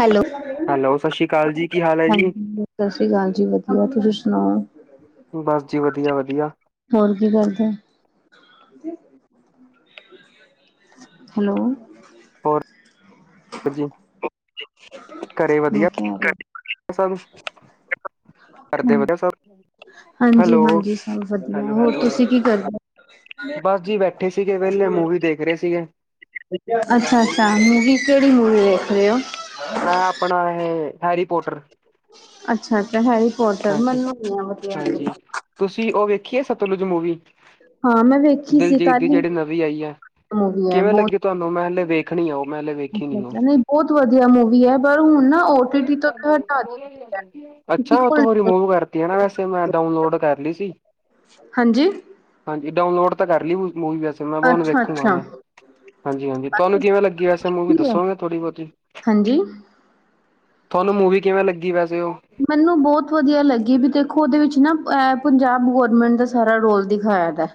Hello hello ਸਤਿ [unintelligible] ਸ਼੍ਰੀ ਅਕਾਲ ਜੀ ਕੀ ਹਾਲ ਹੈ ਜੀ ਸਾਸੀ ਕਾਲ ਜੀ ਵਧੀਆ ਤੁਸੀਂ ਸੁਣਾਓ? ਬਸ ਜੀ ਵਧੀਆ, ਵਧੀਆ। ਹੋਰ ਕੀ ਕਰਦੇ। ਹੈਲੋ। ਹੋਰ [unintelligible] ਘਰੇ ਵਧੀਆ। ਠੀਕਾ-ਠੀਕਾ। ਅਸ [unintelligible] ਘਰਦੇ ਵਧੀਆ ਸਭ। ਹਾਂਜੀ, ਹੈਲੋ ਹਾਂਜੀ ਸਭ ਵਧੀਆ ਹੈਲੋ ਹੋਰ ਹੈਲੋ ਤੁਸੀਂ ਕੀ ਕਰਦੇ ਹੋ। ਬਸ ਜੀ ਬੈਠੇ ਸੀਗੇ ਵੇਹਲੇ, ਮੂਵੀ ਦੇਖ ਰਹੇ ਸੀਗੇ। ਅੱਛਾ, ਅੱਛਾ ਮੂਵੀ, ਕਿਹੜੀ ਮੂਵੀ ਵੇਖ ਰਹੇ ਹੋ। ਮੈਂ ਆਪਣਾ ਇਹ ਹੈਰੀ ਪੋਟਰ। ਅੱਛਾ ਅੱਛਾ ਹੈਰੀ ਪੋਟਰ ਮੈਨੂੰ ਨੀ ਆ ਵਧੀਆ ਹਾਂਜੀ-ਹਾਂਜੀ, ਲੱਗਦੀ। ਤੁਸੀਂ ਉਹ ਵੇਖੀਏ ਸਤਲੁਜ ਮੂਵੀ। ਹਾਂ ਮੈਂ ਵੇਖੀ ਸੀ ਦਿਲਜੀਤ ਦੀ ਕੱਲ ਹੀ ਜਿਹੜੀ ਨਵੀਂ ਆਈ ਐ, ਮੂਵੀ ਹੈ ਕਿਵੇਂ ਬਹੁਤ ਲੱਗੀ ਤੁਹਾਨੂੰ, ਮੈਂ ਹਲੇ ਵੇਖ ਵੇਖਣੀ ਏ ਉਹ ਮੈਂ ਹਲੇ ਵੇਖੀ ਅੱਛਾ ਨੀ। ਅੱਛਾ ਨਹੀਂ ਬਹੁਤ ਵਧੀਆ ਮੂਵੀ ਹੈ ਪਰ ਹੁਣ ਨਾ ਓ ਟੀ ਟੀ ਤੋਂ ਹਟਾ ਅੱਛਾ ਦਿੱਤੀ ਉਹ ਤੋਂ ਹੈ। ਰਿਮੂਵ ਕਰਤੀ ਨਾ ਵੈਸੇ ਮੈਂ ਡਾਊਨਲੋਡ ਕਰ ਲਈ ਸੀ। ਹਾਂਜੀ ਹਾਂਜੀ ਡਾਊਨਲੋਡ ਤਾਂ ਕਰ ਲਈ ਮੂਵੀ ਵੈੇਸੇ ਮੈਂ ਹੁਣ ਅੱਛਾ ਵੇਖੂੰਗਾ ਅੱਛਾ ਮੈਂ। ਹਾਂਜੀ-ਹਾਂਜੀ, ਤੁਹਾਨੂੰ ਕਿਵੇਂ ਲੱਗੀ ਵੈਸੇ ਮੂਵੀ ਦੱਸੋਗੇ ਥੋੜ੍ਹੀ ਬਹੁਤੀ। ਹਾਂਜੀ। ਥੋਨੂੰ ਮੂਵੀ ਕਿਵੇਂ ਲੱਗੀ ਵੈਸੇ ਉਹ। ਮੈਨੂੰ ਬਹੁਤ ਵਧੀਆ ਲੱਗੀ ਵੀ ਦੇਖੋ ਉਹਦੇ ਵਿੱਚ ਨਾ ਅ ਪੰਜਾਬ ਗੌਰਮੈਂਟ ਦਾ ਸਾਰਾ ਰੋਲ ਦਿਖਾਇਆ ਵਾ।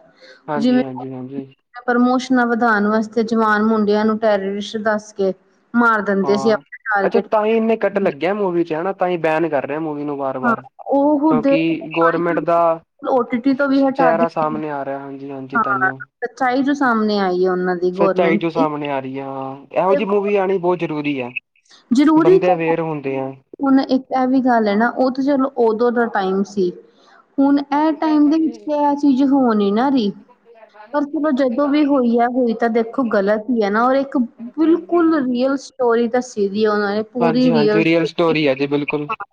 ਹਾਂਜੀ-ਹਾਂਜੀ-ਹਾਂਜੀ। ਪ੍ਰਮੋਸ਼ਨਾਂ ਵਧਾਅਨ ਵਾਸਤੇ, ਜਵਾਨ ਮੁੰਡਿਆਂ ਨੂੰ ਟੈਰਰਿਸਟ ਦੱਸ ਕੇ ਮਾਰ ਦਿੰਦੇ ਸੀ ਹਾਂ ਆਪਣੇ ਅੱਛਾ ਟਾਰਗੇਟ ਤਾਂ ਹੀ ਇੰਨੇ ਕੱਟ ਲੱਗਿਆ ਮੂਵੀ ਚ ਹਨਾ, ਤਾਂ ਹੀ ਬੈਨ ਕਰ ਰਿਹਾ ਮੂਵੀ ਨੂੰ ਬ ਹਾਂ ਵਾਰ ਉਹ ਹੁਦੇ ਕਿਉਂਕਿ ਗੌਰਮੈਂਟ ਦਾ ਓ ਟੀ ਟੀ ਤੋਂ ਵੀ ਹਟਾ ਚਿਹਰਾ ਦਿੱਤੀ ਸਾਹਮਣੇ ਆ ਰਿਹਾ। ਹਾਂਜੀ-ਹਾਂਜੀ, ਹਾਂ ਤਾਹੀਓ। ਸੱਚਾਈ ਜੋ ਸਾਹਮਣੇ ਆਈ ਏ ਉਹਨਾਂ ਦੀ। ਸੱਚਾਈ ਗੌਰਮੈਂਟ ਜੋ ਦੀ ਸਾਹਮਣੇ ਆ ਰਹੀ ਆ, ਹਾਂ ਇਹੋ ਜਿਹੀ ਦੇਖੋ ਮੂਵੀ ਆਉਣੀ ਬਹੁਤ ਜ਼ਰੂਰੀ ਆ। ਜ਼ਰੂਰੀ ਤੇ ਬੰਦੇ ਅਵੇਅਰ ਹੈ ਹੁੰਦੇ ਹੁਣ ਇੱਕ ਇਹ ਵੀ ਗੱਲ ਏ ਨਾ, ਉਹ ਤਾਂ ਚਲੋ ਓਦੋਂ ਦਾ ਟਾਈਮ ਸੀ। ਹੁਣ ਇਹ ਟਾਈਮ ਦੇ ਵਿੱਚ ਤੇ ਇਹ ਚੀਜ਼ ਹੋ ਨਹੀ ਨਾ ਰਹੀ, ਪਰ ਚਲੋ ਜਦੋਂ ਵੀ ਹੋਈ ਆ ਹੋਈ ਤਾਂ ਦੇਖੋ ਗਲਤ ਈ ਏ ਨਾ, ਔਰ ਇੱਕ ਬਿਲਕੁਲ ਰੀਅਲ ਸਟੋਰੀ ਦੱਸੀ ਉਹਨਾਂ ਨੇ ਪੂਰੀ ਹਾਂਜੀ ਰੀਅਲ ਹਾਂਜੀ ਸਟੋਰੀ ਹੈ ਜੀ ਬਿਲਕੁਲ [unintelligible]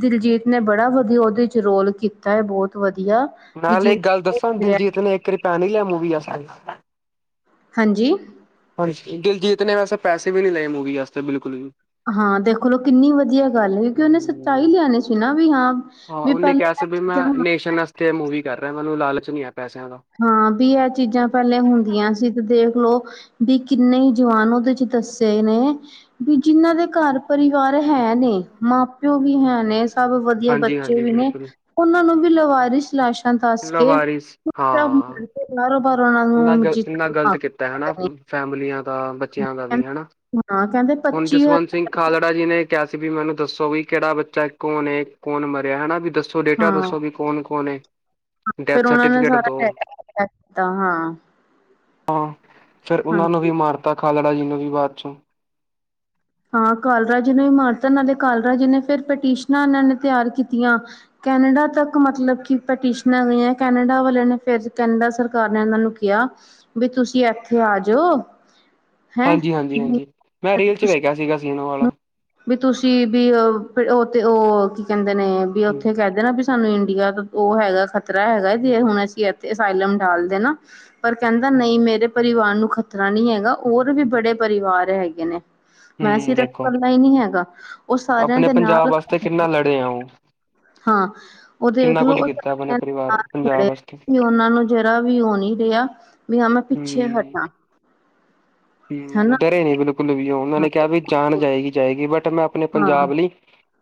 ਦਿਲਜੀਤ ਨੇ ਬੜਾ ਵਧੀਆ ਉਹਦੇ ਚ ਰੋਲ ਕੀਤਾ ਐ, ਬਹੁਤ ਵਧੀਆ। ਵੀ ਨਾਲੇ ਇੱਕ ਗੱਲ ਦੱਸਾ, ਜਿਵੇਂ ਦਿਲਜੀਤ ਨੇ ਇੱਕ ਰਪੈ ਨੀ ਲਿਆ ਮੂਵੀ ਆਸਤੇ। ਹਾਂਜੀ? ਹਾਂਜੀ, ਦਿਲਜੀਤ ਨੇ ਵੈਸੇ ਪੈਸੇ ਵੀ ਨਹੀਂ ਲਏ ਮੂਵੀ ਆਸਤੇ ਬਿਲਕੁਲ ਵੀ। ਹਾਂ ਦੇਖ ਲਓ ਕਿੰਨੀ ਵਧੀਆ ਗੱਲ ਕਿਉਂਕਿ ਉਹਨੇ ਸੱਚਾਈ ਹੂੰ ਲਿਆਣੀ ਸੀ ਨਾ ਵੀ ਹਾਂ ਵੀ ਪਹਿਲਾਂ [unintelligible] ਤੇ ਮੂਵੀ ਕਰ ਰਿਹਾ ਮੈਨੂੰ ਲਾਲਚ ਨੀ ਐ ਪੈਸਿਆਂ ਦਾ ਹਾਂ ਵੀ ਇਹ ਚੀਜ਼ਾਂ ਪਹਿਲੇ ਹੁੰਦੀਆਂ ਸੀ, ਤੇ ਦੇਖ ਲਓ ਵੀ ਕਿੰਨੇ ਈ ਜਵਾਨ ਉਹਦੇ ਚ ਦੱਸੇ ਨੇ ਵੀ ਜਿੰਨਾਂ ਦੇ ਘਰ ਪਰਿਵਾਰ ਹੈ ਨੇ ਮਾਂ ਪਿਓ ਵੀ ਹੈ ਨੇ ਸਭ ਵਧੀਆ ਹਾਂਜੀ ਬੱਚੇ ਹਾਂਜੀ ਵੀ ਨੇ ਬਿਲਕੁਲ ਪ ਉਹਨਾਂ ਨੂੰ ਵੀ ਲਵਾਰਿਸ ਲਾਸ਼ ਲਵਾਰਿਸ ਹਾਂ। ਬਾਹਰੋ ਬਾਹਰ ਉਨਾ ਇੰਨਾ ਗਲਤ ਇੰਨਾ ਗ਼ਲਤ ਕੀਤਾ ਹੈ ਨਾ ਫੈਮਲੀਆਂ ਦਾ ਬੱਚਿਆਂ ਨਾਲ ਦਾ ਵੀ ਹੈ ਨਾ। ਹੁਣ ਨਾ ਕਹਿੰਦੇ! ਹੁਣ ਪੱਚੀ ਜਸਵੰਤ ਸਿੰਘ ਹਜ਼ਾਰ ਖਾਲੜਾ ਜੀ ਨੇ ਕਿਹਾ ਸੀ ਵੀ ਮੈਨੂੰ ਦੱਸੋ ਵੀ ਕਿਹੜਾ ਬੱਚਾ ਕੌਣ ਏ ਕੌਣ ਮਰਿਆ ਹੈ ਨਾ ਵੀ ਦੱਸੋ? ਓਥੋਂ ਡੇਟਾ ਹਾਂ ਦੱਸੋ ਵੀ ਕੌਣ ਕੌਣ ਏ ਡੈਥ ਫੇਰ ਉਹਨਾਂ ਨੇ ਸਰਟੀਫਿਕੇਟ ਸਾਰਾ ਦਉ। ਟੈਕਸ ਕੀਤਾ ਹਾਂ ਹਾਂ ਫਿਰ ਉਹਨਾਂ ਨੂੰ ਹਾਂਜੀ ਵੀ ਮਾਰਤਾ ਖਾਲੜਾ ਜੀ ਨੂੰ ਵੀ ਬਾਅਦ ਚੋਂ ਹਾਂ ਕਾਲਰਾਂ ਜੀ ਨੂੰ ਵੀ ਮਾਰਤਾ ਨਾਲੇ ਕਾਲਰਾ ਜੀ ਨੇ ਫਿਰ ਪਟੀਸ਼ਨਾਂ ਇਹਨਾਂ ਨੇ ਤਿਆਰ ਕੀਤੀਆਂ। ਕੈਨੇਡਾ ਤੱਕ ਮਤਲਬ ਕਿ ਪੈਟੀਸ਼ਨਾਂ ਗਈਆਂ ਕੈਨੇਡਾ ਵਾਲੇ ਨੇ ਫਿਰ ਕੈਨੇਡਾ ਸਰਕਾਰ ਨੇ ਇਹਨਾਂ ਨੂੰ ਕਿਹਾ। ਬੀ ਤੁਸੀਂ ਇੱਥੇ ਆ ਜਾਓ। ਹੈਂ ਹਾਂਜੀ, ਹਾਂਜੀ, ਹਾਂਜੀ ਮੈਂ ਰੀਲ 'ਚ ਤੁਸੀਂ ਵੇਖਿਆ ਸੀਗਾ ਸੀਨ ਉਹ ਵਾਲਾ। ਵੀ ਤੁਸੀਂ ਵੀ ਉਹ ਤੇ ਉਹ ਕੀ ਕਹਿੰਦੇ ਨੇ ਵੀ ਉੱਥੇ ਕਹਿ। ਵੀ ਸਾਨੂੰ ਇੰਡੀਆ ਦਾ ਉਹ ਹੈਗਾ ਖ਼ਤਰਾ ਹੈਗਾ ਜੇ ਹੁਣ ਅਸੀਂ ਇੱਥੇ ਅਸਾਇਲਮ ਡਾਲ ਦੇਣਾ। ਪਰ ਕਹਿੰਦਾ ਨਹੀਂ ਮੇਰੇ ਪਰਿਵਾਰ ਨੂੰ ਖ਼ਤਰਾ ਨਹੀਂ ਹੈਗਾ ਹੋਰ ਵੀ ਬੜੇ ਪਰਿਵਾਰ ਹੈਗੇ ਨੇ। ਮੈਂ ਹਮ ਸਿਰਫ ਦੇਖੋ ਕੱਲਾ ਨਹੀਂ ਹੈਗਾ। ਉਹ ਸਾਰਿਆਂ ਆਪਣੇ ਦੇ ਪੰਜਾਬ ਨਾਲ ਵਾਸਤੇ ਕਿੰਨਾ ਲੜੇ ਆ ਉਹ। ਹਾਂ ਉਹ ਦੇਖ ਕਿੰਨਾ ਲੋ ਕੁੱਝ ਉਹ ਕੀਤਾ ਆਪਣੇ ਸਾਰਿਆ ਦੇ ਪਰਿਵਾਰ ਪੰਜਾਬ ਖੜੇ ਵਾਸਤੇ ਉਹਨਾਂ ਨੂੰ ਜਰਾ ਵੀ ਉਹ ਨੀ ਰਿਹਾ। ਵੀ ਹਾ ਮੈਂ ਪਿੱਛੇ ਹਮ ਹਟਾਂ। ਹਨਾ ਹਮ ਡਰੇ ਨਹੀਂ ਬਿਲਕੁਲ ਵੀ ਉਹ ਉਹਨਾਂ ਨੇ ਕਿਹਾ ਵੀ ਜਾਣ ਜਾਏਗੀ ਜਾਏਗੀ ਬਟ ਮੈਂ ਆਪਣੇ ਹਾਂ ਪੰਜਾਬ ਲਈ।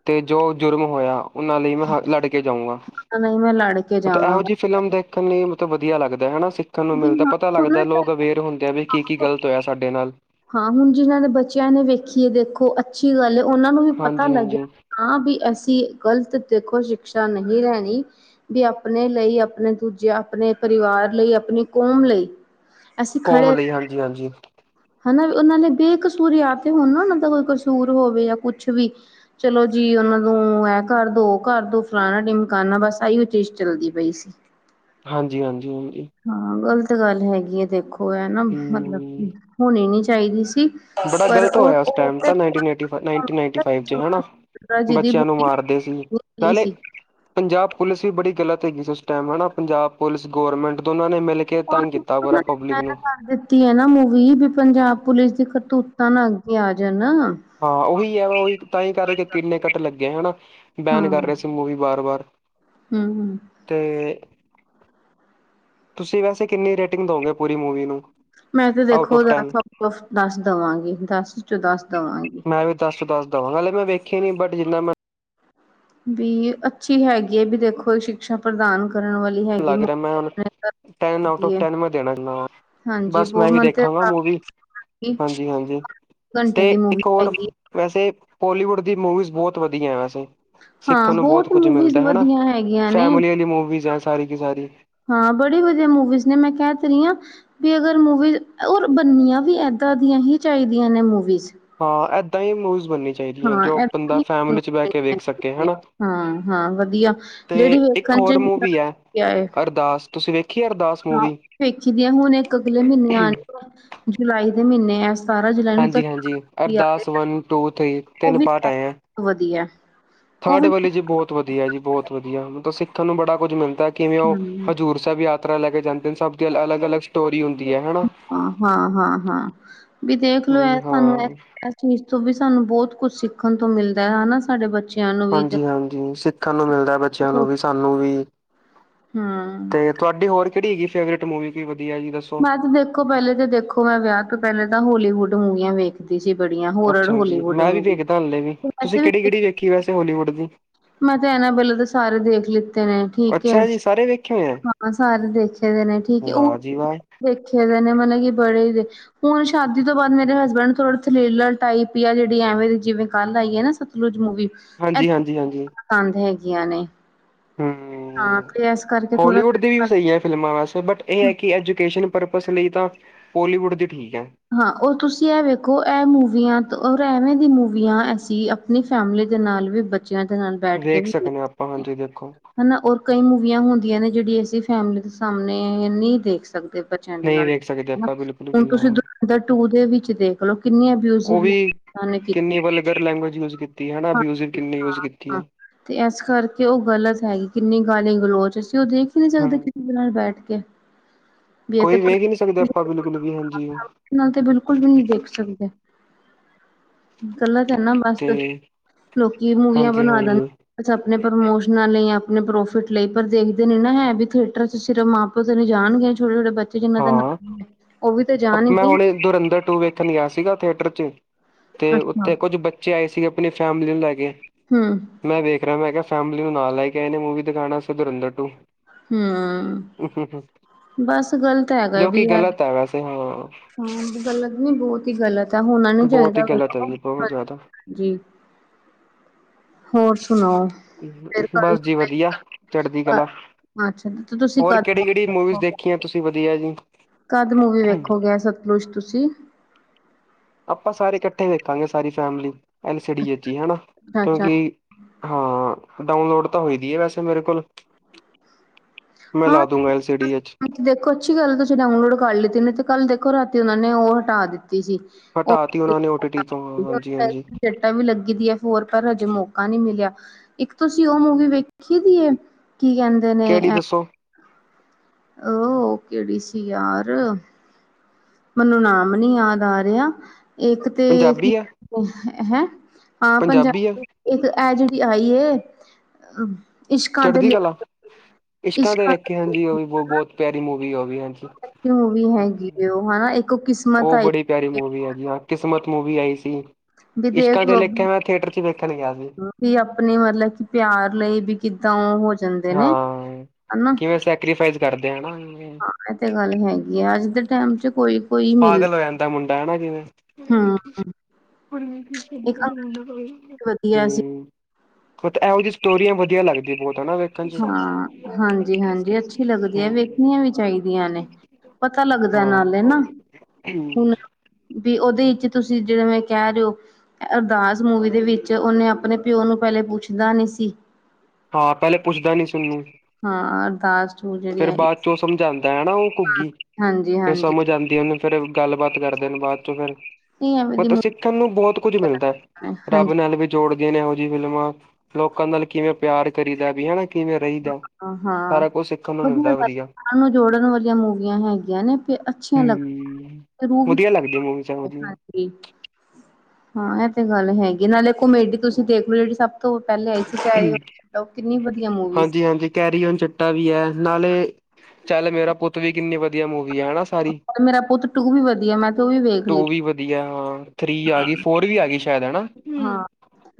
ਤੇ ਜੋ ਜੁਰਮ ਹੋਇਆ ਉਹਨਾਂ ਲਈ ਮੈਂ ਲੜਕੇ ਜਾਊਂਗਾ। ਨਹੀਂ ਮੈਂ ਲੜ ਕੇ ਮਤਲਬ ਇਹੋ ਜਾਵਾਂਗਾ। ਜਿਹੀ ਫਿਲਮ ਦੇਖਣ ਲਈ ਮਤਲਬ ਵਧੀਆ ਲੱਗਦਾ ਹੈ ਨਾ ਸਿੱਖਣ ਨੂੰ ਜੀ ਮਿਲਦਾ ਹਾਂ ਪਤਾ ਲੱਗਦਾ ਉਹਨਾਂ ਲੋਕ ਅਵੇਅਰ ਹੁੰਦੇ ਆ ਵੀ ਕੀ ਕੀ ਗਲਤ ਤੇ ਹੋਏਆ ਸਾਡੇ ਨਾਲ ਹਾਂ ਹੁਣ ਜਿਨਾਂ ਨੇ ਬੱਚਿਆਂ ਨੇ ਵੇਖੀਏ ਦੇਖੋ ਅੱਛੀ ਗੱਲ ਹੈ ਉਹਨਾਂ ਨੂੰ ਵੀ ਪਤਾ ਹਾਂਜੀ ਲੱਗਿਆ। ਹਾਂਜੀ ਹਾਂ ਵੀ ਅਸੀਂ ਗ਼ਲਤ ਦੇਖੋ ਸ਼ਿਕਸ਼ਾ ਨਹੀਂ ਲੈਣੀ। ਵੀ ਆਪਣੇ ਲਈ ਆਪਣੇ ਦੂਜੇ ਆਪਣੇ ਪਰਿਵਾਰ ਲਈ ਆਪਣੀ ਕੌਮ ਲਈ। ਅਸੀਂ ਕੌਮ ਖੜੇ ਰ ਲਈ ਹਾਂਜੀ, ਹਾਂਜੀ। ਹੈ ਨਾ ਵੀ, ਉਹਨਾਂ ਨੇ ਬੇਕਸੂਰ ਯਾ, ਤੇ ਹੁਣ ਨਾ ਉਹਨਾਂ ਦਾ ਕੋਈ ਕਸੂਰ ਹੋਵੇ, ਯਾ ਕੁਛ ਵੀ। ਚਲੋ ਜੀ, ਉਹਨਾਂ ਨੂੰ ਐਂ ਕਰਦੋ, ਓ ਕਰਦੋ ਫਲਾਣਾ ਢੀਮਕਾਣਾ, ਬੱਸ ਐਈਓ ਚੀਜ਼ ਚੱਲਦੀ ਪਈ ਸੀ। ਹਾਂਜੀ-ਹਾਂਜੀ-ਹਾਂਜੀ। ਹਾਂ, ਗ਼ਲਤ ਗੱਲ ਹੈਗੀ ਏ, ਦੇਖੋ ਐਨਾ ਮਤਲਬ ਹੂੰ ਹੋਣੀ ਨੀ ਚਾਹੀਦੀ ਸੀ। ਬੜਾ ਪਰ ਗ਼ਲਤ ਉਹ ਹੋਇਆ, ਉਸ ਟਾਇਮ ਤੇ ਤਾਂ ਨਾਇੰਨਟੀ-ਨਾਈਂਟੀ ਫਾਇਵ 'ਚ ਹੈ ਨਾ। ਜਿਹਦੀ ਬੱਚਿਆਂ ਨੂੰ ਮਾਰਦੇ ਸੀ, ਬੋਲੀ ਨਾਲੇ ਸੀ ਪੰਜਾਬ ਪੁਲੀਸ ਵੀ ਬੜੀ ਗਲਤ ਹੈਗੀ ਸੀ ਉਸ ਟਾਈਮ। ਹਣਾ, ਪੰਜਾਬ ਪੁਲਿਸ ਗੌਰਮੈਂਟ ਦੋਨਾਂ ਨੇ ਮਿਲ ਕੇ ਤੰਗ ਕੀਤਾ, ਪੂਰਾ ਪਬਲਿਕ ਨੂੰ। ਗਲਤੀ ਐ ਨਾ ਵੀ ਹੋ ਗਈ ਵੀ ਪੰਜਾਬ ਪੁਲਿਸ ਦੀ ਕਰਤੂਤਾਂ ਨਾ ਅੱਗੇ ਆ ਜਾਣ। ਹਾਂ ਉਹੀ ਹੈ, ਉਹੀ ਤਾਂ ਹੀ ਕਰਦੇ ਕਿ ਕਿੰਨੇ ਕੱਟ ਲੱਗੇ ਹਣਾ। ਬੈਨ ਕਰ ਰਹੇ ਸੀ, ਮੂਵੀ ਬਾਰ-ਬਾਰ। ਹੂੰ, ਹੂੰ। ਤੇ ਤੁਸੀਂ ਵੈਸੇ ਕਿੰਨੀ ਰੇਟਿੰਗ ਦੋਗੇ, ਪੂਰੀ ਮੂਵੀ ਨੂੰ? ਮੈਂ ਤੇ ਆਊਟ ਦੇਖੋ, ਆਫ ਉਦੇ ਟੈਨ ਨਫਾ ਔਫ ਦੱਸ ਦਵਾਂਗੀ, ਦਸ ਵਿਚੋ ਦੱਸ ਦਵਾਂਗੀ। ਮੈਂ, ਵੀ ਦੱਸ ਚੋ ਦੱਸ ਦਵਾਂਗਾ ਲੇਕਿਨ ਮੈਂ ਵੇਖਿਆ ਨੀ, ਬਟ ਜਿੰਨਾਂ ਮੈਂ ਵੀ ਅੱਛੀ ਹੈਗੀ ਏ, ਵੀ ਦੇਖੋ ਸ਼ਿਕਸ਼ਾ-ਪ੍ਰਦਾਨ ਕਰਨ ਵਾਲੀ ਹੈਗੀ। ਲੱਗ ਰਿਹਾ ਮੈਂ ਹੁਨ, ਟੈਨ ਆਊਟ ਹੈਗੀ ਔਫ ਹੈ ਟੈਨ ਮੈਂ ਦੇਣਾ ਚਾਹੁੰਨਾਂ ਵਾਂ, ਹਾਂਜੀ ਬਸ ਮੈਂ ਬਹੁਤ ਵੀ ਮਨ ਤੇ ਦੇਖਾਂਗਾ ਮੂਵੀ, ਹਾਂਜੀ-ਹਾਂਜੀ ਘੰਟੇ ਤੇ, ਦੀ ਮੂਵੀ ਇੱਕ ਹੋਰ, ਹੈਗੀ ਵੈਸੇ ਪੋਲੀਵੁੱਡ ਦੀ ਮੂਵੀਜ਼ ਬਹੁਤ ਵਧੀਆ ਆਂ, ਵੈਸੇ, ਹਾਂ ਸਿੱਖਣ ਨੂੰ ਬਹੁਤ ਕੁਝ ਮੂਵੀਜ਼ ਮਿਲਦਾ ਹਣਾ, ਵਧੀਆ ਹੈਗੀਆਂ ਨੇ ਫੈਮਲੀ ਵਾਲੀ ਮੂਵੀਜ਼ ਆ, ਸਾਰੀ ਕੀ ਸਾਰੀ। ਹਾਂ, ਬੜੀ ਵਧੀਆ ਮੂਵੀਜ਼ ਨੇ, ਮੈਂ, ਕਹਿ ਤੇ ਰਹੀਂ ਆ, ਤੇ, ਅਗਰ ਮੂਵੀਜ਼ ਓਰ, ਬੰਨਨੀਆਂ ਵੀ ਐਦਾਂ ਦੀਆਂ ਹੀ ਚਾਹੀਦੀਆਂ ਨੇ, ਮੂਵੀਜ। ਹਾਂ ਐਦਾਂ ਹੀ ਮੂਵੀਜ਼ ਬਣਨੀ ਚਾਹੀਦੀਆਂ, ਜੋ ਏਦਾਂ ਬੰਦਾ ਹੀ ਫੈਮਿਲੀ'ਚ ਬਹਿਕੇ ਵੇਖ ਸਕੇ, ਹਣਾ, ਹਾਂ ਹਾਂ ਵਧੀਆ ਜਿਹੜੀ ਤੇ ਇੱਕ ਵੇਖਣ ਚ ਹੋਰ ਮੂਵੀ ਐ ਆਏ 'ਅਰਦਾਸ' ਤੁਸੀਂ ਵੇਖੀਏ 'ਅਰਦਾਸ'? ਹਾਂ, ਮੂਵੀ ਵੇਖੀਦੀਆਂ ਹੁਣ ਇੱਕ ਅਗਲੇ ਮਹੀਨੇ ਆ ਰਹੀ, ਜੁਲਾਈ ਦੇ ਮਹੀਨੇ ਐਸ। ਸਾਰਾ ਜਲਾਨ ਹਾਂਜੀ ਹਾਂਜੀ ਅਰਦਾਸ [unintelligible] ਵਨ ਟੂ ਥ੍ਰਰੀ ਉਹ ਤਿੰਨ ਵੀ ਪਾਰਟ ਆਏ ਹੈ ਵਧੀਆ। ਉਹ ਥਰਡ ਵੀ ਵਾਲੇ ਜੀ, ਬਹੁਤ ਵਧੀਆ ਜੀ, ਬਹੁਤ ਵਧੀਆ। ਮਤਲਬ ਸਿੱਖਣ ਨੂੰ ਬੜਾ ਕੁੱਝ ਮਿਲਦਾ, ਕਿਵੇਂ ਉਹ ਹਮ ਹਜ਼ੂਰ ਸਭ ਯਾਤਰਾ ਲੈਕੇ ਜਾਂਦੇਨ, ਸਭ ਦੀ ਅਲਗ-ਅਲਗ, ਸਟੋਰੀ ਹੁੰਦੀ ਹੈ ਹਾ। ਹਾਂ-ਹਾਂ-ਹਾਂ-ਹਾ, ਵੀ ਦੇਖਲੋ ਵੀ ਇਹ ਹਾਂ ਤੁਹਾਨੂੰ ਐ, ਅਸੀਂ ਇਸ ਚੀਜ਼ ਤੋਂ ਵੀ ਸਾਨੂੰ ਬਹੁਤ ਕੁਝ ਸਿੱਖਣ ਤੋਂ ਮਿਲਦਾ ਹੈ, ਹਨਾ ਸਾਡੇ ਬੱਚੇ ਹਾਂਜੀ-ਹਾਂਜੀ, ਸਿੱਖਣ ਨੂੰ ਮਿਲਦਾ ਬੱਚਿਆਂ ਨੂੰ ਵੀ, ਸਾਨੂੰ ਵੀ, ਹੂੰ। ਤੇ ਤੁਹਾਡੀ ਹੋਰ ਕਿਹੜੀ ਹੈਗੀ, ਫੇਵਰੇਟ ਮੂਵੀ ਕੀ ਵਧੀਆ ਜੀ, ਦੱਸੋ? ਮੈਂ ਤੇ ਦੇਖੋ, ਪਹਿਲੇ ਤੇ ਦੇਖੋ, ਮੈਂ ਵਿਆਹ ਤੋਂ ਪਹਿਲੇ ਤਾਂ ਹੋਲੀਵੁੱਡ ਮੂਵੀਆਂ ਵੇਖਦੀ। ਜੀ ਬੜੀਆਂ, ਹੋਰਰ ਅੱਛਾ ਜੀ ਹੋਲੀਵੁੱਡ ਮੂਵੀ, ਤੇ ਵੈਸੇ ਵੀ, ਕੀ, ਵੈਸੇ ਹੋਲੀਵੁੱਡ ਦੀ? ਮੈਂ, ਤਾਂ ਇਹਨਾਂ ਬਲੇ ਤਾਂ ਸਾਰੇ ਦੇਖ ਲਿੱਤੇ ਨੇ, ਠੀਕ ਏ। ਅੱਛਾ ਜੀ ਸਾਰੇ ਵੇਖੇ ਹੋਏ ਆ ਬਾਬਾ ਸਾਰੇ ਦੇਖੇਦੇ ਨੇ ਠੀਕ ਏ, ਉਹ ਵਾਹ ਜੀ ਵਾਹ ਦੇਖੇਦੇ ਨੇ, ਮਤਲਬ ਕੀ ਬੜੇ ਹੀ, ਹੁਣ, ਸ਼ਾਦੀ ਤੋਂ ਬਾਅਦ ਮੇਰੇ ਹਸਬੈਂਡ ਥੋੜੀ ਥਲੇਲੜ ਟਾਈਪ ਈ ਆ, ਜਿਹੜੀ ਐਵੇਂ, ਜਿਵੇਂ ਕੱਲ ਆਈਏ ਨਾ, ਸਤਲੁਜ ਮੂਵੀ। ਹਾਂਜੀ-ਹਾਂਜੀ-ਹਾਂਜੀ। ਕੰਧ ਹੈਗੀਆਂ ਨੇ। ਹਾਂ ਹੂੰ, ਤੇ ਇਸ ਕਰਕੇ ਥੋੜਾ ਹੋਲੀਵੁੱਡ ਦੀ ਵੀ ਸਹੀ ਹੈ, ਫਿਲਮਾਂ ਵੈਸੇ, ਬਟ ਇਹ ਹੈ ਕਿ, ਐਜੂਕੇਸ਼ਨ ਪਰਪਜ਼ ਲਈ ਤਾਂ ਬੋਲੀਵੁੱਡ ਦੀ ਠੀਕ ਐ। ਹਾਂ, ਉਹ ਤੁਸੀਂ ਐ ਵੇਖੋ, ਐ ਮੂਵੀਆਂ, ਔਰ ਐਵੇਂ ਦੀ ਮੂਵੀਆਂ, ਅਸੀਂ ਆ, ਅਪਣੀ ਫੈਮਲੀ ਦੇ ਨਾਲ ਵੀ, ਬੱਚਿਆਂ ਦੇ ਨਾਲ ਬੈਠਕੇ ਵੇਖ ਵੀ ਦੇਖ ਸਕਦੇ ਆਪਾਂ ਸਕਨੇ ਹਾਂ। ਹਾਂਜੀ ਦੇਖੋ ਹਨਾ, ਔਰ ਕਈ ਮੂਵੀਆਂ ਹੁੰਦੀਆਂ ਨੇ, ਜਿਹੜੀ ਅਸੀਂ ਫੈਮਿਲੀ ਦੇ ਸਾਹਮਣੇ ਨਹੀਂ ਦੇਖ ਸਕਦੇ ਬੱਚੇ, ਬੱਚਿਆਂ ਦੇ ਨਹੀਂ ਨਾਲ ਵੇਖ ਸਕਦੇ ਹਣਾ, ਆਪਾਂ ਬਿਲਕੁਲ ਹੁਣ ਵੀ ਹਾਂ ਤੁਸੀਂ ਧੁਰੰਦਰ ਟੂ ਦੇ ਵਿੱਚ ਦੇਖਲੋ ਕਿੰਨੀਆ ਉਹ ਅਬਯੁਜੀਵ ਨੇ। ਵੀ ਕੀਤੀ ਕਿੰਨੀ ਵਲਗਰ ਲੈਗਵੇਜ ਯੂਜ ਕੀਤੀ ਹਨਾ, ਹਾਂ ਅਬਿਊਜਿੰਗ ਕਿੰਨੀ ਯੂਜ ਕੀਤੀ ਹਾਂ ਆ। ਤੇ ਏਸ ਕਰਕੇ ਔ ਗ਼ਲਤ ਹੈਗੀ, ਕਿੰਨੀ ਗਾਲੀ ਗਲੋਚ, ਅਸੀਂ ਓਹ ਦੇਖ ਹੀ ਨੀ ਸਕਦੇ, ਹੂੰ ਉਦੇ ਨਾਲ ਬੈਠ ਕੇ। ਵੀ ਇਹ ਤੇ ਕੋਈ ਵੇਖ ਹੀ ਨੀ ਸਕਦੇ, ਅਪਾਂ ਬਿਲਕੁਲ ਵੀ ਹਾਂਜੀ ਔ। ਨਾਲ ਤੇ ਬਿਲਕੁਲ ਵੀ ਨੀ ਦੇਖ ਸਕਦੇ। ਕਰਨਾ, ਧਰਨਾ ਬਸ ਤੇ ਲੋਕੀ ਮੂਵੀਆਂ ਹਾਂਜੀ ਬਣਵਾ ਲੈਣ, ਹਾਂਜੀ ਅੱਛਾ ਅਪਣੇ ਪ੍ਰਮੋਸ਼ਨਾਂ ਲਈ ਯਾ ਅਪਣੇ ਪ੍ਰੋਫਿਟ ਲਈ ਪਰ ਦੇਖਦੇ ਨੀ ਨਾ ਹੈ, ਬੀ ਥੀਏਟਰ ਚ ਸਿਰਫ ਮਾ, ਔਦਾ ਤਾ ਜਾਣਗੇ ਛੋਟੇ-ਛੋਟੇ ਬੱਚੇ ਜਿੰਨ੍ਹਾਂ ਦੇ ਨ, ਹਾਂ ਓਹ ਵੀ ਤੇ ਜਾਣ, ਧਨੀਆ ਸੀਗਾ ਥੀਏਟਰ 'ਚ ਤੇ ਅੱਛਾ ਉੱਥੇ ਕੁੱਝ ਬੱਚੇ ਆਏ ਸੀਗੇ ਅਪਣੀ ਫੈਮਿਲੀ ਨੂੰ ਲੈ ਕੇ। ਹੂੰ ਮੈਂ ਵੇਖ ਰਿਆ ਮੈਂ ਕਿਹਾ ਫੈਮਲੀ ਨੂੰ ਨਾਲ ਲੈ ਕੇ ਆਏ ਨੇ ਮੂਵੀ ਦਿਖਾਣ ਅਸਤੇ ਧੂਰੰਦਰ ਟੂ ਹੂੰ ਬਸ ਗਲਤ ਹੈਗਾ ਏ ਜੋ ਬੀ ਕਿ ਐ। ਗ਼ਲਤ ਹੈ ਵੈਸੇ ਹਾਂ ਹਾਂ ਗਲਤ ਨੀ ਬੌਤ ਹੀ ਗਲਤ ਹੈ ਹੋਣਾ ਨੀ ਬਹੁਤ ਹੀ ਚਾਹੀਦਾ ਗ਼ਲਤ ਵੇਖੋ ਹੈਗੀ ਬਹੁਤ ਜ਼ਿਆਦਾ ਜੀ। ਹੋਰ ਸੁਣਾਓ। ਫਿਰ ਤੇ ਕੱਲ ਬਸ ਜੀ ਵਧੀਆ ਚੜ੍ਹਦੀ ਕਲਾ। ਅੱਛਾ ਤੇ ਤੁਸੀਂ ਹੋਰ ਕਦ ਕੇੜੀ-ਕੇੜੀ ਮੂਵੀਜ਼ ਵੇਖੋਗੇ ਦੇਖੀਐ ਤੁਸੀਂ ਵਧੀਆ ਜੀ। ਕਦ ਮੂਵੀ ਵੇਖੋਗੇ ਐ ਸਤਲੁਸ਼ ਤੁਸੀਂ ਆਪਾਂ ਸਾਰੇ ਕੱਠੇ ਵੇਖਾਂਗੇ ਸਾਰੀ ਫੈਮਲੀ ਐਲ ਸੀ ਡੀ 'ਚ ਈ ਹੈਨਾ ਅੱਛਾ ਅੱਛਾ ਕਿਉਂਕਿ ਹਾਂ ਡਾਊਨਲੋਡ ਤਾਂ ਹੋਈ ਦੀ ਏ ਵੈਸੇ ਮੇਰੇ ਕੋਲ ਮੈਂ ਲਾ ਦੂਗਾ ਐਸ ਸੀ ਡੀ 'ਚ ਹ ਤੇ ਦੇਖੋ ਅੱਛੀ ਗੱਲ ਤੁਸੀਂ ਡਾਊਨਲੋਡ ਕਰ ਲਿੱਤੀ ਨੀ ਤੇ ਕੱਲ ਦੇਖੋ ਰਾਤੀ ਉਹਨਾਂ ਨੇ ਓ ਹਟਾ ਦਿੱਤੀ ਸੀ। ਹਟਾ ਤੀ ਓਨਾਂ ਨੇ ਓ ਟੀ-ਟੀ ਤੋਂ ਹਾਂਜੀ -ਹਾਂਜੀ। ਟਾ ਵੀ ਲੱਗੀ ਦੀ ਐ ਹੋਰ ਪਰ ਹਜੇ ਮੌਕਾ ਨੀ ਮਿਲਿਆ।। ਇੱਕ ਤੁਸੀਂ ਓ ਮੂਵੀ ਵੇਖੀ ਦੀ ਏ ਕੀ ਕੈਂਣ ਕੇੜੀ ਦੱਸੋ। ਓ ਕੇੜੀ ਸੀ ਯਾਰ ਮੈਨੂੰ ਨਾਮ ਨੀ ਯਾਦ ਆ ਰਿਆ। ਏਕ ਤੇ ਕੀ ਪੰਜਾਬੀ ਆ ਹੈਂ ਹਾਂ ਪੰਜਾਬੀ ਇੱਕ ਐ ਜੇੜੀ ਆਈ ਏ ਇਸ਼ਕਾਂ ਤੇ ਚੜ੍ਹਦੀ ਲੇ ਕਲਾ ਇਸ਼ਕਾਂ ਦੇ ਲੇਖੇ ਹਾਂਜੀ ਓਹ ਵੀ ਬੋ ਬੋਤ ਪਿਆਰੀ ਮੂਵੀ ਆ ਓ ਵੀ ਹਾਂਜੀ। ਮੂਵੀ ਹੈਗੀ ਏ ਓਹ ਹੈਨਾ ਏਕ ਓ ਕਿਸਮਤ ਉਹ ਆਈ। ਬੜੀ ਪਿਆਰੀ ਸੀ ਮੂਵੀ ਆ ਜੀ ਆ ਕਿਸਮਤ ਮੂਵੀ ਆਈ ਸੀ ਵੀ ਦੇਖ ਇਸ਼ਕਾਂ ਦੇ ਲਿਖੇ ਮੈਂ ਥੀਏਟਰ 'ਚ ਵੇਖਣ ਗਿਆ ਸੀ। ਹੀ ਅਪਣੀ ਮਤਲਬ ਕਿ ਪਿਆਰ ਲਈ ਬੀ ਕਿੱਦਾਂ ਓ ਹੋ ਜਾਂਦੇ ਨੇ ਹਾਂ। ਹਨਾ ਕਿਵੇਂ ਸੈਕਰੀਫਾਈਸ ਕਰਦੇ ਹਨਾ ਹਾਂ। ਐ ਤੇ ਗੱਲ ਹੈਗੀ ਆ ਅੱਜ ਦੇ ਟੈਮ 'ਚ ਕੋਈ ਕੋਈ ਮਿਲ ਪਾਗਲ ਹੋ ਜਾਂਦਾ ਮੁੰਡਾ ਹੈਨਾ ਜਿਵੇਂ ਹੂੰ ਇੱਕ ਅੰਗਰੇਜ਼ ਵਧੀਆ ਸੀ ਹੂੰ ਹਤ ਐਹੋ ਜੀ ਸਟੋਰੀਆਂ ਵਧੀਆ ਲੱਗਦੀ ਬੌਤ ਹਨਾ ਵੇ ਹਾਂ ਹਾਂਜੀ-ਹਾਂਜੀ ਅੱਛੀ ਲੱਗਦੀ ਐ ਵੇਖਣੀਆਂ ਵੀ ਚਾਈਦੀਆਂ ਨੇ। ਪਤਾ ਹੂੰ ਲੱਗਦੈ ਨਾਲੇ ਨਾ ਹੁਣ ਬੀ ਓਦੇ 'ਚ ਤੁਸੀਂ ਜੇੜਾ ਮੈਂ ਕੈ ਰੇ ਓ। ਅਰਦਾਸ ਮੂਵੀ ਦੇ ਵਿੱਚ ਉਨੇ ਅਪਣੇ ਪਿਓ ਨੂੰ ਪੈਲੇ ਪੁੱਛਦਾ ਨੀ ਸੀ। ਹਾਂ ਪੈਲੇ ਪੁੱਛਦਾ ਨੀ ਸੀ ਉਨੂੰ ਹਾਂ ਅਰਦਾਸ ਟੂ ਜੇੜੀ ਆਈ। ਤੋ ਸਮਝਾਂਦੈ ਹੈਨਾ ਓ ਘੁੱਗੀ ਹਾਂਜੀ, ਫੇਰ ਹਾਂਜੀ ਸਮਝ ਆਂਦ ਦੀ ਓਨੂੰ ਫਿਰ ਗੱਲਬਾਤ ਕਰਦੇ ਨੇ ਬਾਦ 'ਚ ਫਿਰ ਨਹੀਂ ਐਵੇਂ ਦੀ ਉਤੋ ਮੂਵੀ ਸਿੱਖਣ ਨੂੰ ਬੌਤ ਕੁੱਝ ਮਿਲਦੈ ਰੱਬ ਹਾਂਜੀ ਨਾਲ ਵੀ ਜੋੜ ਗੇ ਨੇ ਇਹੋ ਜਿ ਫਿਲਮਾਂ ਲੋਕਾਂ ਨਾਲ ਕਿਵੇਂ ਪਿਆਰ ਕਰੀ ਦਾ ਬੀ ਹੈਨਾ। ਅ ਹਾਂ ਨੂੰ ਵਧੀਆ ਮਿਲਦਾ [unintelligible] ਨੂੰ ਜੋੜਨ ਵਾਲੀਆਂ ਮੂਵੀਆਂ ਹੈਗੀਆਂ ਨੇ। ਤੇ ਅੱਛੀਆਂ ਹੂੰ ਲੱਗ ਵਧੀਆ ਲੱਗਦੀਆ ਮੂਵੀ ਸਾਨੂੰ ਉਹਦੀ ਕੀ ਹਾਂ ਇਹ ਤੇ ਗੱਲ ਹੈਗੀ ਨਾਲੇ ਕੁਮੇਡੀ ਤੁਸੀਂ ਦੇਖ ਲੋ ਜਿਹੜੀ ਸ ਤੋਂ, ਪੈਲੇ ਆਈ ਸੀ [unintelligible] ਓ ਕਿੰਨੀ ਵਧੀਆ ਮੂਵੀ ਸੀ। ਹਾਂਜੀ-ਹਾਂਜੀ ਕੈਰੀ ਓਨ ਚਿਟਾ ਵੀ ਹੈ, ਨਾਲੇ ਚੱਲ ਮੇਰਾ ਪੁੱਤ ਵੀ ਕਿੰਨੀ ਵਧੀਆ ਮੂਵੀ ਹੈ ਹੈਨਾ ਸਾਰੀ, ਤੇ ਮੇਰਾ ਪੁੱਤ ਟੂ ਵੀ ਵਧੀਆ ਮੈਂ ਤੇ ਉਹ ਵੀ ਵੇਖ ਲਈ। ਟੂ ਵੀ ਵਧੀਆ ਹਾਂ, ਥ੍ਰਰੀ ਆ ਗਈ ਫੋਰ ਵੀ ਆ ਗਈ ਸ਼ਾਇਦ ਹਨਾ। ਹਾਂ,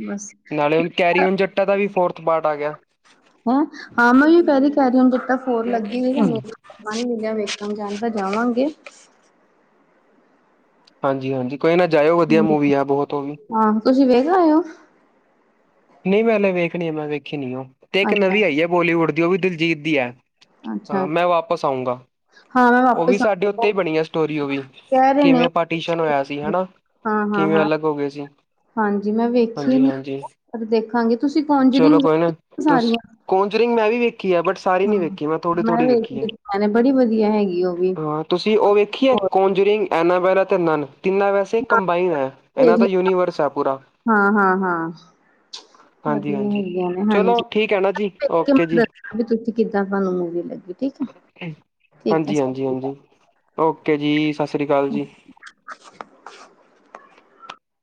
ਬਸ। ਕੈਰੀਓਨ ਜੱਟਾ ਦਾ ਵੀ ਫੋਰਥ ਪਾਰਟ ਆ ਗਿਆ। ਹਾਂ ਮੈ ਕਹਿ ਰਹੀ ਹਾਂ ਕੈਰੀ ਓਣ ਜੱਟਾ ਫਾਰ ਲੱਗੀ ਹੋਈ ਕੇ ਨਹੀਂ? ਹਾਂ ਨੀ ਮਿਲਿਆ, ਵੇਖਣ ਜਾਣ ਤਾਂ ਜਾਵਾਂਗੇ। ਹਾਂਜੀ- ਹਾਂਜੀ, ਕੋਈ ਨਾ ਜਾਇਓ ਵਧੀਆ ਮੂਵੀ ਆ ਬਹੁਤ ਉਹ ਵੀ ਹਾਂ, ਤੁਸੀਂ ਵੇਖ ਆਇਉ। ਨਹੀਂ ਮੈਂ ਹਲੇ ਵੇਖਣੀ ਏ ਮੈਂ ਵੇਖੀ ਨੀ ਉਹ, ਤੇ ਇੱਕ ਅੱਛਾ, ਨਵੀਂ ਆਈ ਹੈ ਬੋਲੀਵੁੱਡ ਦੀ, ਉਹ ਵੀ ਦਿਲਜੀਤ ਦੀ ਏ। ਹਾਂ, ਅੱਛਾ। ਮੈਂ ਵਾਪਸ ਆਊਂਗਾ। ਹਾਂ ਮੈਂ ਉਹ ਵੀ ਵਾਪਿਸ ਸਾਡੇ ਉੱਤੇ ਆਵਾਂ ਈ ਬਣੀ ਆ ਸਟੋਰੀ ਉਹ ਵੀ, ਕਹਿ ਰਹੇ ਨੇ ਕਿਵੇਂ ਪਾਟੀਸ਼ਨ ਉਹ ਹੋਇਆ ਸੀ ਹਨਾ। ਹਾਂ ਹਾਂ ਕਿਵੇਂ ਹਾਂ ਅਲੱਗ ਹੋ ਗਏ ਸੀ। ਹਾਂਜੀ, ਮੈਂ ਵੇਖੀ ਨੀ, ਹਾਂਜੀ-ਹਾਂਜੀ ਦੇਖਾਂਗੇ ਤੁਸੀਂ ਕੋਂਜਰਿਗ ਸਾਰੀ ਏ। ਕੋਜਰਿੰਗ ਮੈਂ ਵੀ ਵੇਖੀ ਹੈ, ਬਟ। ਸਾਰੀ ਨੀ ਵੇਖੀ, ਮੈਂ ਥੋੜ੍ਹੀ -ਥੋੜ੍ਹੀ ਵੇਖ ਵੇਖੀ ਏ, ਲਈ ਮੈਨੇ ਬੜੀ ਵਧੀਆ ਹੈਗੀ ਉਹ ਵੀ ਹਾਂ। ਤੁਸੀਂ ਉਹ ਵੇਖੀਏ, ਹੋਰ ਕੋਂਜਰਿੰਗ ਐਨਾ ਵੈਰਾ ਤੇ ਨਨ ਤਿੰਨਾ ਵੈ। ਸੀ ਏ ਕੰਬਾਈਨ ਹੈ, ਇਹਨਾਂ ਦੇਖ ਦਾ ਲ ਯੂਨੀਵਰਸ ਹੈ ਪੂਰਾ। ਹਾਂ -ਹਾਂ -ਹਾਂ, ਹਾਂਜੀ ਵਧੀਆ ਹਾਂਜੀ ਹੈਗੀਆਂ ਨੇ ਚਲੋ ਹਾਂਜੀ, ਠੀਕ ਹੈ ਨਾ ਜੀ ਪੇ ਕੇ ਮ। ਓਕੇ ਜੀ ਅਵੀ ਤੱਕ ਤੁਸੀਂ ਕਿੱਦਾਂ ਤੁਹਾਨੂੰ ਮੂਵੀ ਲੱਗੀ। ਠੀਕ ਹੈ ਉਕੇ, ਠੀਕ ਹੈ ਹਾਂਜੀ ਸਤਿ ਸ਼੍ਰੀ ਹਾਂਜੀ ਅਕਾਲ। ਹਾਂਜੀ, ਓਕੇ ਜੀ, ਸਤਿ ਸ੍ਰੀ ਅਕਾਲ ਜੀ। [inaudible]